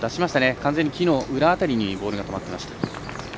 完全に木の裏辺りにボールがありました。